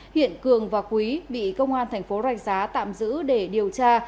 hiện cường và quý bị công an thành phố rạch giá tạm giữ để điều tra